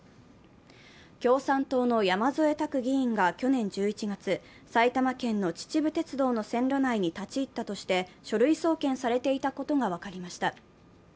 共産党の山添拓議員が去年１１月、埼玉県の秩父鉄道の線路内に立ち入ったとして書類送検されていたことが分かりました。